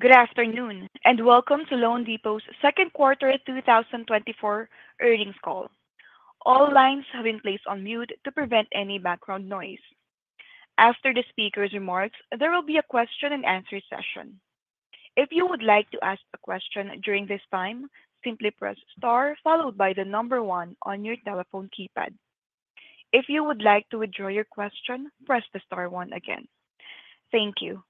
Good afternoon, and welcome to loanDepot's second quarter 2024 earnings call. All lines have been placed on mute to prevent any background noise. After the speaker's remarks, there will be a question and answer session. If you would like to ask a question during this time, simply press Star, followed by the number one on your telephone keypad. If you would like to withdraw your question, press the star one again. Thank you.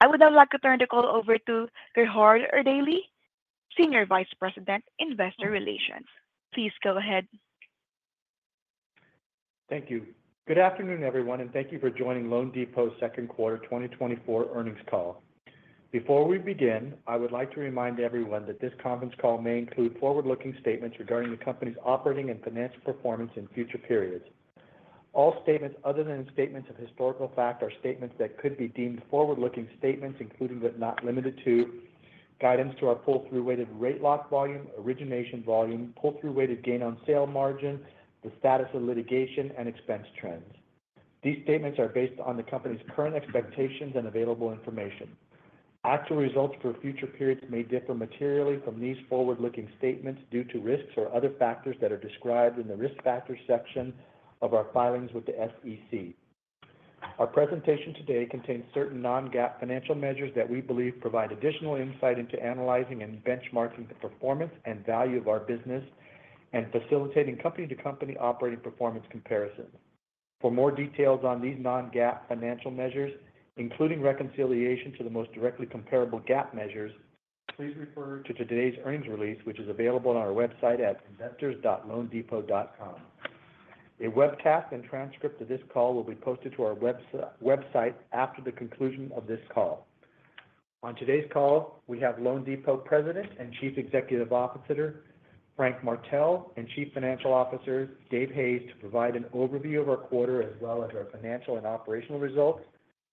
I would now like to turn the call over to Gerhard Erdelji, Senior Vice President, Investor Relations. Please go ahead. Thank you. Good afternoon, everyone, and thank you for joining loanDepot's second quarter 2024 earnings call. Before we begin, I would like to remind everyone that this conference call may include forward-looking statements regarding the company's operating and financial performance in future periods. All statements other than statements of historical fact are statements that could be deemed forward-looking statements, including but not limited to, guidance to our pull-through weighted rate lock volume, origination volume, pull-through weighted gain on sale margin, the status of litigation, and expense trends. These statements are based on the company's current expectations and available information. Actual results for future periods may differ materially from these forward-looking statements due to risks or other factors that are described in the risk factors section of our filings with the SEC. Our presentation today contains certain non-GAAP financial measures that we believe provide additional insight into analyzing and benchmarking the performance and value of our business, and facilitating company-to-company operating performance comparisons. For more details on these non-GAAP financial measures, including reconciliation to the most directly comparable GAAP measures, please refer to today's earnings release, which is available on our website at investors.loandepot.com. A webcast and transcript of this call will be posted to our website after the conclusion of this call. On today's call, we have loanDepot President and Chief Executive Officer, Frank Martell, and Chief Financial Officer, Dave Hayes, to provide an overview of our quarter, as well as our financial and operational results,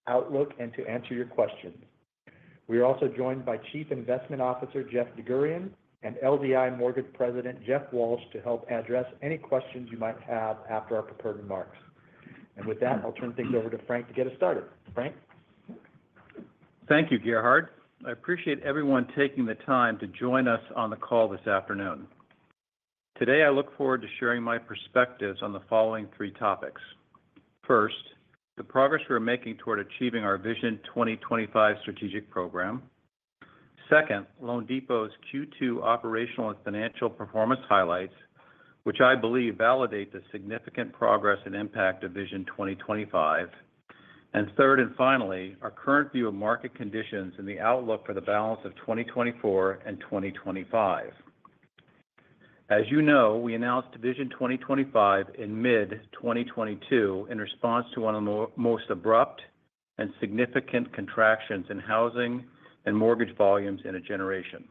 outlook, and to answer your questions. We are also joined by Chief Investment Officer, Jeff DerGurahian, and LDI Mortgage President, Jeff Walsh, to help address any questions you might have after our prepared remarks. With that, I'll turn things over to Frank to get us started. Frank? Thank you, Gerhard. I appreciate everyone taking the time to join us on the call this afternoon. Today, I look forward to sharing my perspectives on the following three topics. First, the progress we're making toward achieving our Vision 2025 strategic program. Second, loanDepot's Q2 operational and financial performance highlights, which I believe validate the significant progress and impact of Vision 2025. And third and finally, our current view of market conditions and the outlook for the balance of 2024 and 2025. As you know, we announced Vision 2025 in mid-2022 in response to one of the most abrupt and significant contractions in housing and mortgage volumes in a generation.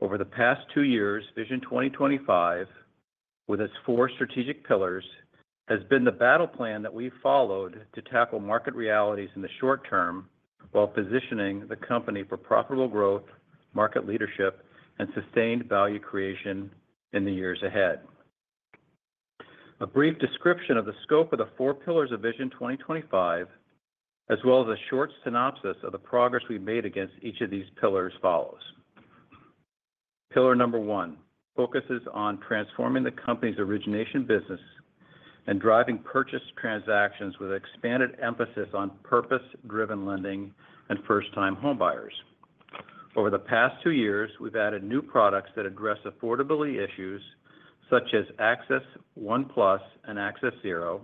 Over the past two years, Vision 2025, with its four strategic pillars, has been the battle plan that we followed to tackle market realities in the short term, while positioning the company for profitable growth, market leadership, and sustained value creation in the years ahead. A brief description of the scope of the four pillars of Vision 2025, as well as a short synopsis of the progress we've made against each of these pillars, follows. Pillar number one focuses on transforming the company's origination business and driving purchase transactions with expanded emphasis on purpose-driven lending and first-time homebuyers. Over the past two years, we've added new products that address affordability issues, such as accessONE+ and accessZERO.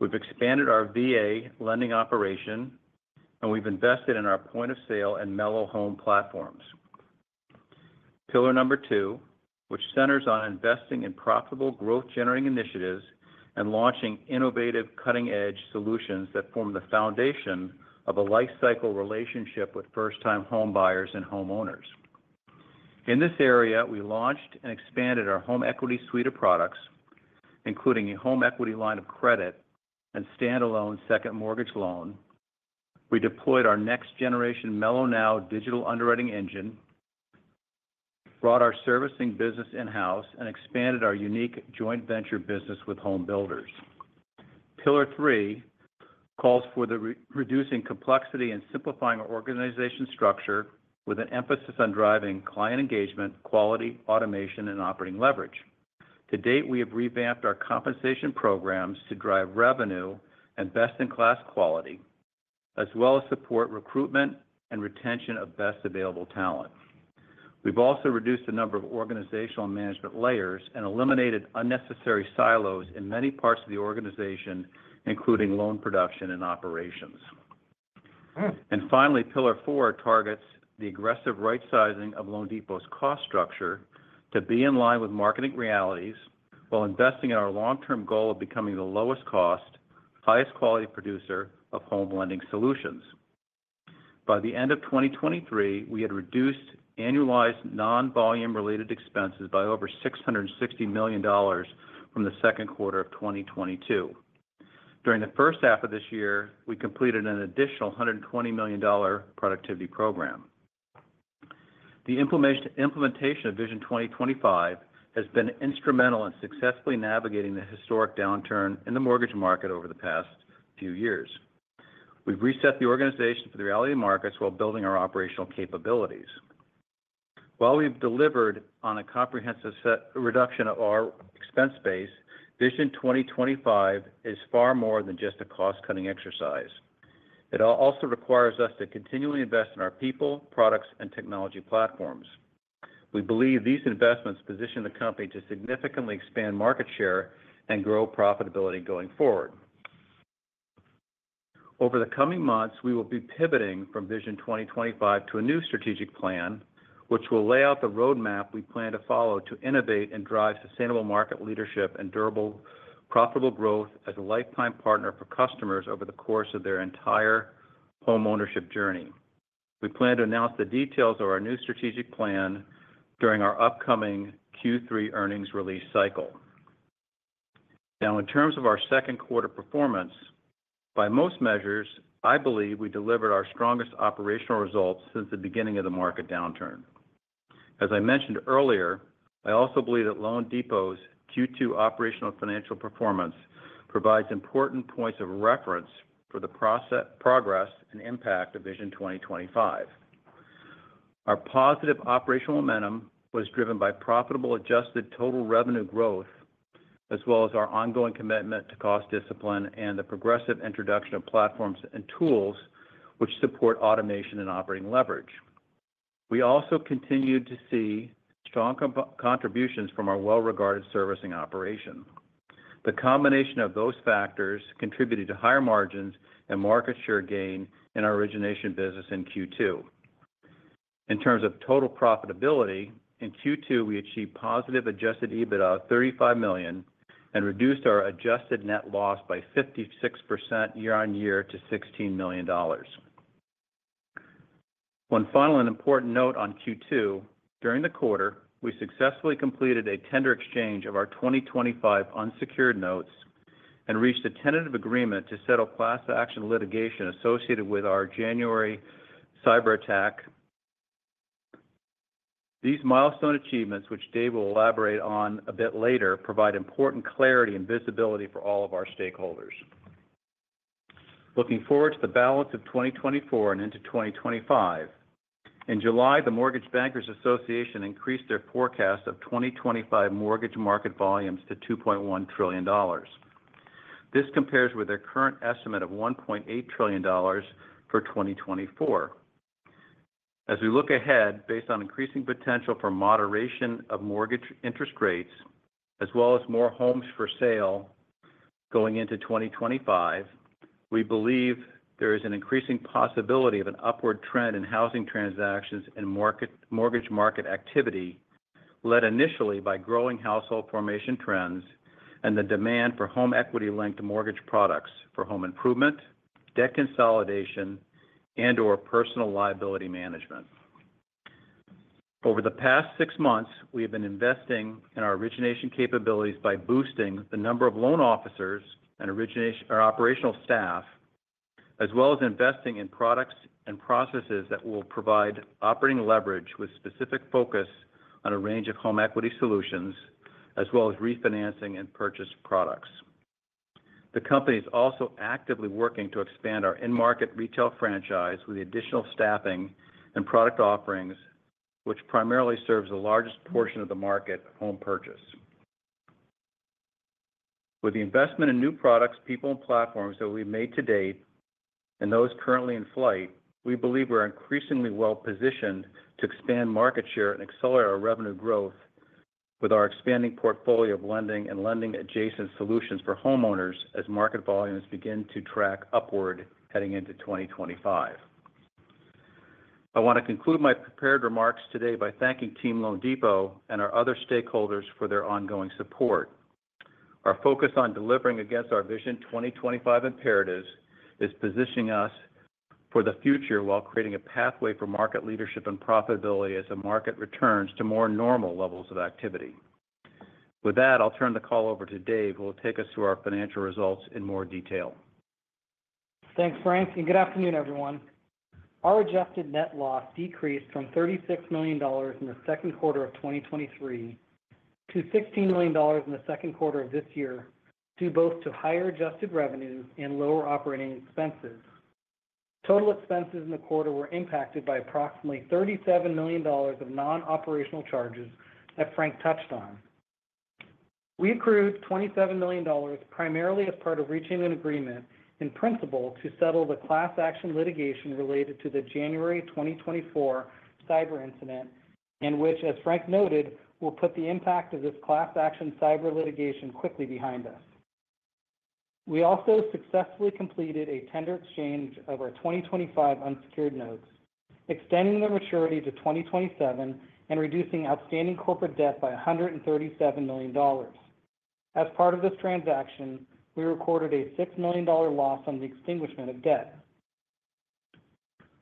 We've expanded our VA lending operation, and we've invested in our point-of-sale and melloHome platforms. Pillar number two, which centers on investing in profitable growth-generating initiatives and launching innovative, cutting-edge solutions that form the foundation of a lifecycle relationship with first-time homebuyers and homeowners. In this area, we launched and expanded our home equity suite of products, including a home equity line of credit and standalone second mortgage loan. We deployed our next-generation melloNow digital underwriting engine, brought our servicing business in-house, and expanded our unique joint venture business with home builders. Pillar three calls for reducing complexity and simplifying our organization structure with an emphasis on driving client engagement, quality, automation, and operating leverage. To date, we have revamped our compensation programs to drive revenue and best-in-class quality, as well as support recruitment and retention of best available talent. We've also reduced the number of organizational management layers and eliminated unnecessary silos in many parts of the organization, including loan production and operations. Finally, pillar four targets the aggressive right sizing of loanDepot's cost structure to be in line with market realities while investing in our long-term goal of becoming the lowest cost, highest quality producer of home lending solutions. By the end of 2023, we had reduced annualized non-volume related expenses by over $660 million from the second quarter of 2022. During the first half of this year, we completed an additional $120 million productivity program. The implementation of Vision 2025 has been instrumental in successfully navigating the historic downturn in the mortgage market over the past few years. We've reset the organization for the reality markets while building our operational capabilities. While we've delivered on a comprehensive set reduction of our expense base, Vision 2025 is far more than just a cost-cutting exercise. It also requires us to continually invest in our people, products, and technology platforms. We believe these investments position the company to significantly expand market share and grow profitability going forward. Over the coming months, we will be pivoting from Vision 2025 to a new strategic plan, which will lay out the roadmap we plan to follow to innovate and drive sustainable market leadership and durable, profitable growth as a lifetime partner for customers over the course of their entire homeownership journey. We plan to announce the details of our new strategic plan during our upcoming Q3 earnings release cycle. Now, in terms of our second quarter performance, by most measures, I believe we delivered our strongest operational results since the beginning of the market downturn. As I mentioned earlier, I also believe that loanDepot's Q2 operational financial performance provides important points of reference for the progress and impact of Vision 2025. Our positive operational momentum was driven by profitable Adjusted Total Revenue growth, as well as our ongoing commitment to cost discipline and the progressive introduction of platforms and tools which support automation and operating leverage. We also continued to see strong contributions from our well-regarded servicing operation. The combination of those factors contributed to higher margins and market share gain in our origination business in Q2. In terms of total profitability, in Q2, we achieved positive Adjusted EBITDA of $35 million, and reduced our Adjusted Net Loss by 56% year-on-year to $16 million. One final and important note on Q2, during the quarter, we successfully completed a tender exchange of our 2025 unsecured notes and reached a tentative agreement to settle class action litigation associated with our January cyberattack. These milestone achievements, which Dave will elaborate on a bit later, provide important clarity and visibility for all of our stakeholders. Looking forward to the balance of 2024 and into 2025, in July, the Mortgage Bankers Association increased their forecast of 2025 mortgage market volumes to $2.1 trillion. This compares with their current estimate of $1.8 trillion for 2024. As we look ahead, based on increasing potential for moderation of mortgage interest rates, as well as more homes for sale going into 2025, we believe there is an increasing possibility of an upward trend in housing transactions and mortgage market activity, led initially by growing household formation trends and the demand for home equity-linked mortgage products for home improvement, debt consolidation, and/or personal liability management. Over the past six months, we have been investing in our origination capabilities by boosting the number of loan officers and origination, our operational staff, as well as investing in products and processes that will provide operating leverage with specific focus on a range of home equity solutions, as well as refinancing and purchase products. The company is also actively working to expand our end market retail franchise with additional staffing and product offerings, which primarily serves the largest portion of the market, home purchase. With the investment in new products, people, and platforms that we've made to date and those currently in flight, we believe we're increasingly well-positioned to expand market share and accelerate our revenue growth with our expanding portfolio of lending and lending adjacent solutions for homeowners as market volumes begin to track upward heading into 2025. I want to conclude my prepared remarks today by thanking Team loanDepot and our other stakeholders for their ongoing support. Our focus on delivering against our Vision 2025 imperatives is positioning us for the future while creating a pathway for market leadership and profitability as the market returns to more normal levels of activity. With that, I'll turn the call over to Dave, who will take us through our financial results in more detail. Thanks, Frank, and good afternoon, everyone. Our adjusted net loss decreased from $36 million in the second quarter of 2023 to $16 million in the second quarter of this year, due both to higher adjusted revenues and lower operating expenses. Total expenses in the quarter were impacted by approximately $37 million of non-operational charges that Frank touched on. We accrued $27 million, primarily as part of reaching an agreement in principle to settle the class action litigation related to the January 2024 cyber incident, in which, as Frank noted, will put the impact of this class action cyber litigation quickly behind us. We also successfully completed a tender exchange of our 2025 unsecured notes, extending the maturity to 2027 and reducing outstanding corporate debt by $137 million. As part of this transaction, we recorded a $6 million loss on the extinguishment of debt.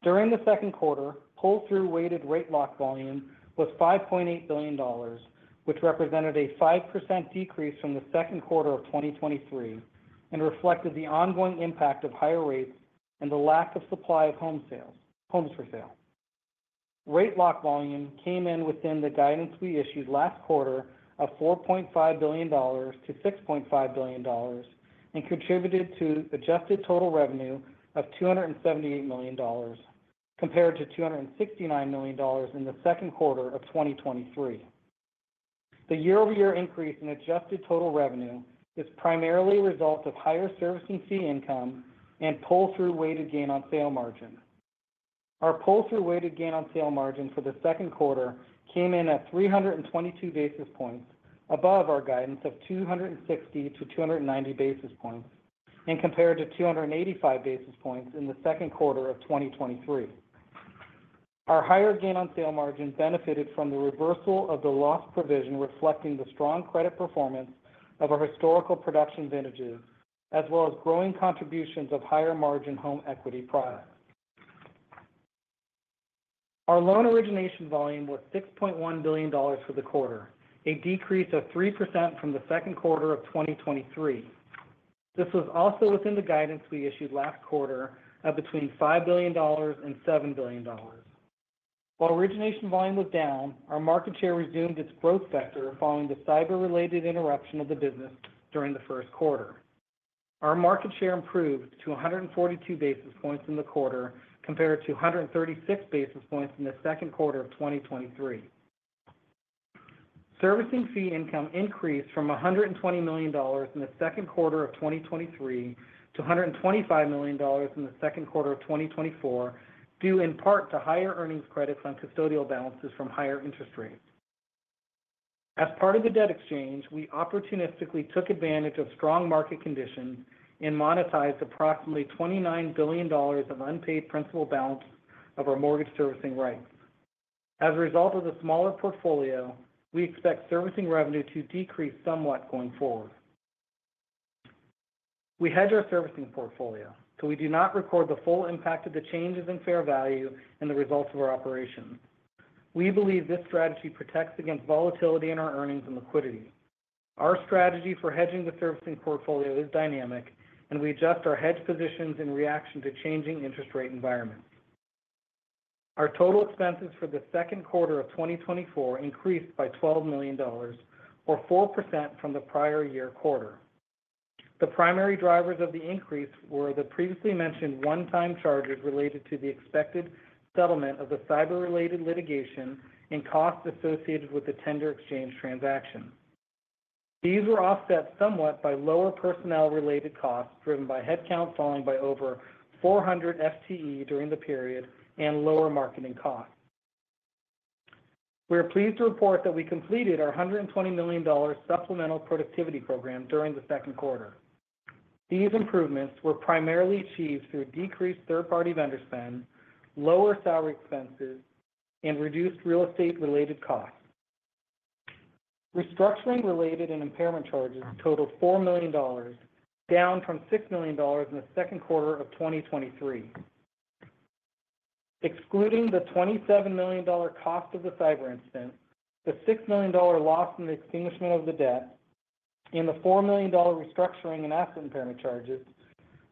During the second quarter, pull-through weighted rate lock volume was $5.8 billion, which represented a 5% decrease from the second quarter of 2023, and reflected the ongoing impact of higher rates and the lack of supply of home sales, homes for sale. Rate lock volume came in within the guidance we issued last quarter of $4.5 billion-$6.5 billion, and contributed to adjusted total revenue of $278 million, compared to $269 million in the second quarter of 2023. The year-over-year increase in adjusted total revenue is primarily a result of higher servicing fee income and pull-through weighted gain on sale margin. Our pull-through weighted gain on sale margin for the second quarter came in at 322 basis points above our guidance of 260-290 basis points, and compared to 285 basis points in the second quarter of 2023. Our higher gain on sale margin benefited from the reversal of the loss provision, reflecting the strong credit performance of our historical production vintages, as well as growing contributions of higher margin home equity products. Our loan origination volume was $6.1 billion for the quarter, a decrease of 3% from the second quarter of 2023. This was also within the guidance we issued last quarter of between $5 billion and $7 billion. While origination volume was down, our market share resumed its growth vector following the cyber-related interruption of the business during the first quarter. Our market share improved to 142 basis points in the quarter, compared to 136 basis points in the second quarter of 2023. Servicing fee income increased from $120 million in the second quarter of 2023 to $125 million in the second quarter of 2024, due in part to higher earnings credits on custodial balances from higher interest rates. As part of the debt exchange, we opportunistically took advantage of strong market conditions and monetized approximately $29 billion of unpaid principal balance of our mortgage servicing rights. As a result of the smaller portfolio, we expect servicing revenue to decrease somewhat going forward. We hedge our servicing portfolio, so we do not record the full impact of the changes in fair value and the results of our operations. We believe this strategy protects against volatility in our earnings and liquidity. Our strategy for hedging the servicing portfolio is dynamic, and we adjust our hedge positions in reaction to changing interest rate environments. Our total expenses for the second quarter of 2024 increased by $12 million or 4% from the prior year quarter. The primary drivers of the increase were the previously mentioned one-time charges related to the expected settlement of the cyber-related litigation and costs associated with the tender exchange transaction. These were offset somewhat by lower personnel-related costs, driven by headcount falling by over 400 FTE during the period and lower marketing costs. We are pleased to report that we completed our $120 million supplemental productivity program during the second quarter. These improvements were primarily achieved through decreased third-party vendor spend, lower salary expenses, and reduced real estate-related costs. Restructuring related and impairment charges totaled $4 million, down from $6 million in the second quarter of 2023. Excluding the $27 million cost of the cyber incident, the $6 million loss from the extinguishment of the debt, and the $4 million restructuring and asset impairment charges,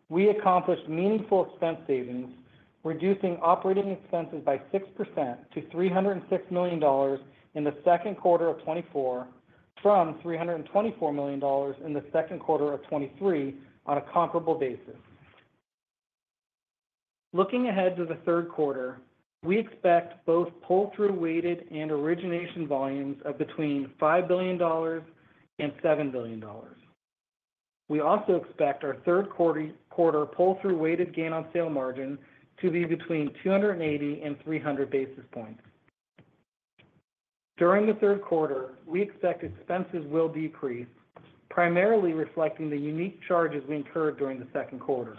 we accomplished meaningful expense savings, reducing operating expenses by 6% to $306 million in the second quarter of 2024, from $324 million in the second quarter of 2023 on a comparable basis. Looking ahead to the third quarter, we expect both pull-through weighted and origination volumes of between $5 billion and $7 billion. We also expect our third quarter pull-through weighted gain on sale margin to be between 280 and 300 basis points. During the third quarter, we expect expenses will decrease, primarily reflecting the unique charges we incurred during the second quarter.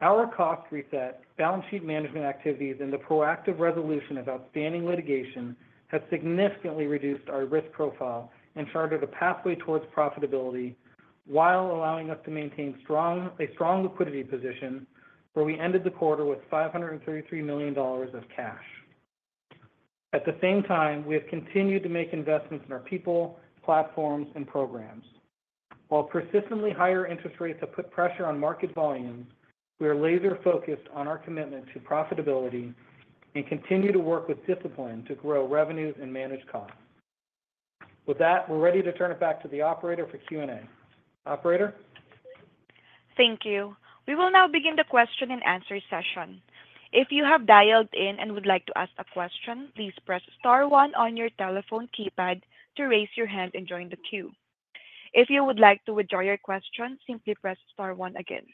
Our cost reset, balance sheet management activities, and the proactive resolution of outstanding litigation has significantly reduced our risk profile and charted a pathway towards profitability while allowing us to maintain a strong liquidity position, where we ended the quarter with $533 million of cash. At the same time, we have continued to make investments in our people, platforms, and programs. While persistently higher interest rates have put pressure on market volumes, we are laser focused on our commitment to profitability and continue to work with discipline to grow revenues and manage costs. With that, we're ready to turn it back to the operator for Q&A. Operator? Thank you. We will now begin the question and answer session. If you have dialed in and would like to ask a question, please press star one on your telephone keypad to raise your hand and join the queue. If you would like to withdraw your question, simply press star one again.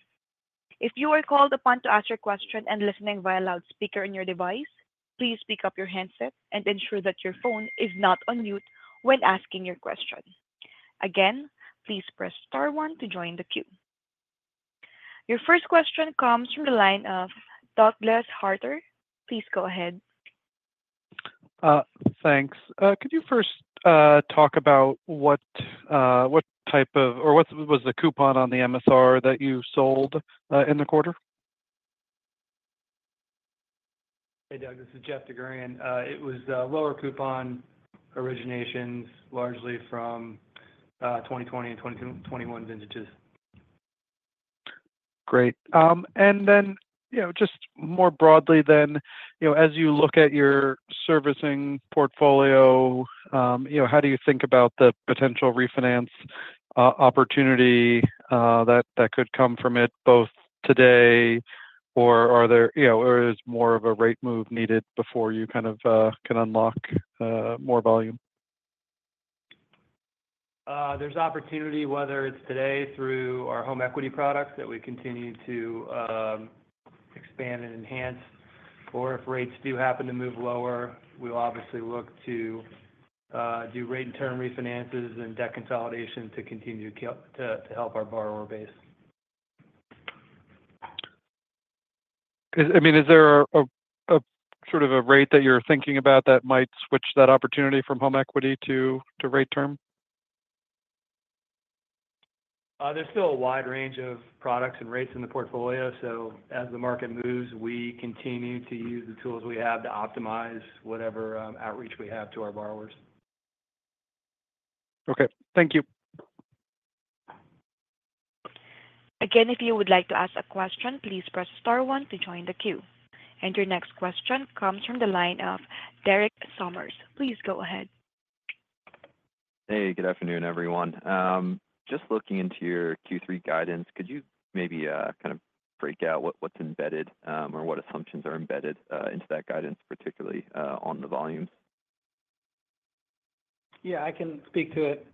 If you are called upon to ask your question and listening via loudspeaker on your device, please pick up your handset and ensure that your phone is not on mute when asking your question. Again, please press star one to join the queue. Your first question comes from the line of Douglas Harter. Please go ahead. Thanks. Could you first talk about what, what type of or what was the coupon on the MSR that you sold in the quarter?... Hey, Doug, this is Jeff DerGurahian. It was lower coupon originations, largely from 2020 and 2021 vintages. Great. And then, you know, just more broadly then, you know, as you look at your servicing portfolio, you know, how do you think about the potential refinance opportunity that could come from it, both today or is more of a rate move needed before you kind of can unlock more volume? There's opportunity, whether it's today through our home equity products that we continue to expand and enhance, or if rates do happen to move lower, we'll obviously look to do rate and term refinances and debt consolidation to continue to help our borrower base. I mean, is there a sort of a rate that you're thinking about that might switch that opportunity from home equity to rate term? There's still a wide range of products and rates in the portfolio, so as the market moves, we continue to use the tools we have to optimize whatever outreach we have to our borrowers. Okay, thank you. Again, if you would like to ask a question, please press star one to join the queue. And your next question comes from the line of Derek Sommers. Please go ahead. Hey, good afternoon, everyone. Just looking into your Q3 guidance, could you maybe kind of break out what's embedded or what assumptions are embedded into that guidance, particularly on the volumes? Yeah, I can speak to it.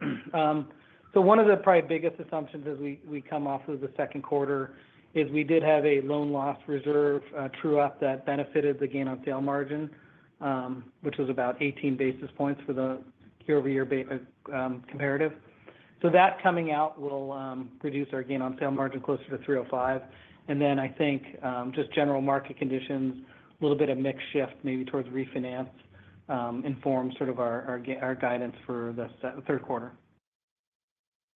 So one of the probably biggest assumptions as we come off of the second quarter is we did have a loan loss reserve true up that benefited the gain on sale margin, which was about 18 basis points for the year-over-year comparative. So that coming out will reduce our gain on sale margin closer to 305. And then I think just general market conditions, a little bit of mix shift, maybe towards refinance inform sort of our our guidance for the third quarter.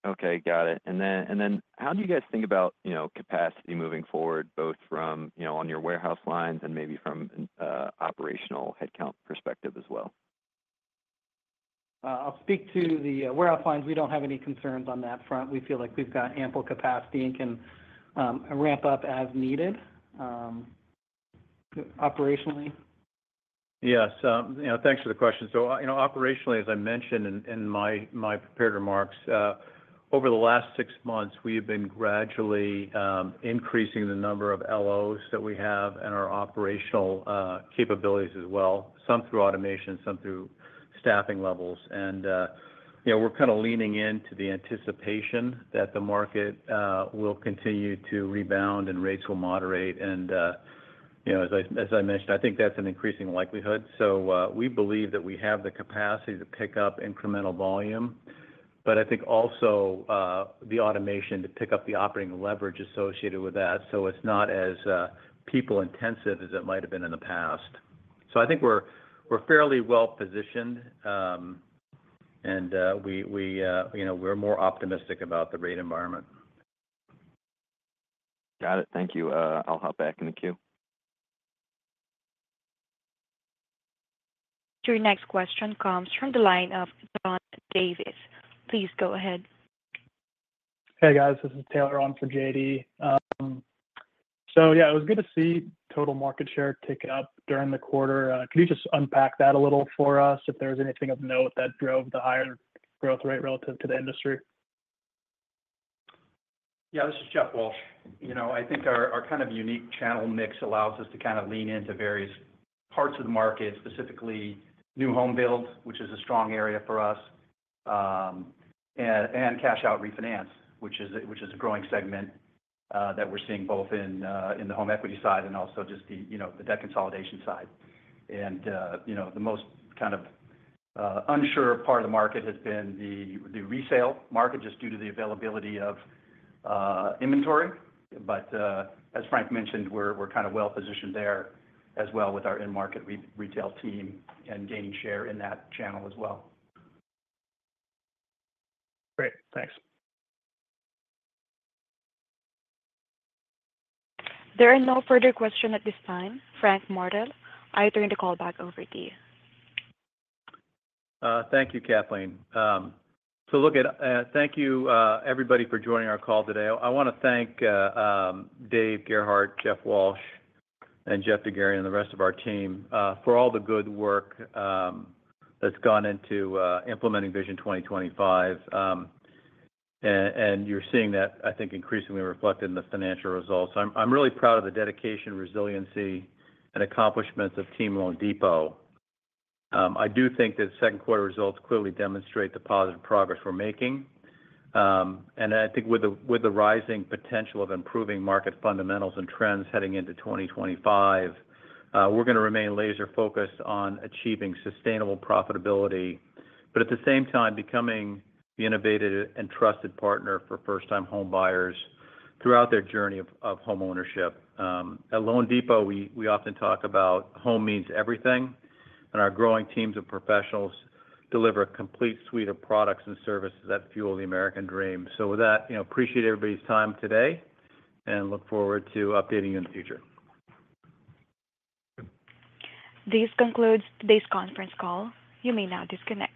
Okay, got it. And then, and then how do you guys think about, you know, capacity moving forward, both from, you know, on your warehouse lines and maybe from an operational headcount perspective as well? I'll speak to the warehouse lines. We don't have any concerns on that front. We feel like we've got ample capacity and can ramp up as needed. Operationally? Yes, you know, thanks for the question. So, you know, operationally, as I mentioned in my prepared remarks, over the last six months, we have been gradually increasing the number of LOs that we have and our operational capabilities as well, some through automation, some through staffing levels. And, you know, we're kind of leaning into the anticipation that the market will continue to rebound and rates will moderate. And, you know, as I mentioned, I think that's an increasing likelihood. So, we believe that we have the capacity to pick up incremental volume, but I think also the automation to pick up the operating leverage associated with that, so it's not as people intensive as it might have been in the past. So I think we're fairly well positioned, and, you know, we're more optimistic about the rate environment. Got it. Thank you. I'll hop back in the queue. Your next question comes from the line of John Davis. Please go ahead. Hey, guys, this is Taylor on for JD. So yeah, it was good to see total market share tick up during the quarter. Could you just unpack that a little for us, if there was anything of note that drove the higher growth rate relative to the industry? Yeah, this is Jeff Walsh. You know, I think our kind of unique channel mix allows us to kind of lean into various parts of the market, specifically new home build, which is a strong area for us, and cash out refinance, which is a growing segment that we're seeing both in the home equity side and also just the, you know, the debt consolidation side. And, you know, the most kind of unsure part of the market has been the resale market, just due to the availability of inventory. But, as Frank mentioned, we're kind of well positioned there as well with our in-market retail team and gaining share in that channel as well. Great. Thanks. There are no further questions at this time. Frank Martell, I turn the call back over to you. Thank you, Kathleen. So look, thank you, everybody, for joining our call today. I want to thank, Dave Gerhart, Jeff Walsh, and Jeff DerGurahian, and the rest of our team, for all the good work, that's gone into, implementing Vision 2025. And you're seeing that, I think, increasingly reflected in the financial results. I'm really proud of the dedication, resiliency, and accomplishments of Team loanDepot. I do think that second quarter results clearly demonstrate the positive progress we're making. And I think with the rising potential of improving market fundamentals and trends heading into 2025, we're going to remain laser focused on achieving sustainable profitability, but at the same time, becoming the innovative and trusted partner for first-time home buyers throughout their journey of homeownership. At loanDepot, we often talk about Home Means Everything, and our growing teams of professionals deliver a complete suite of products and services that fuel the American dream. So with that, you know, appreciate everybody's time today, and look forward to updating you in the future. This concludes today's conference call. You may now disconnect.